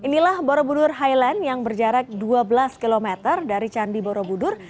inilah borobudur highland yang berjarak dua belas km dari candi borobudur